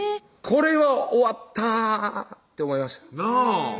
これは終わったって思いましたなぁ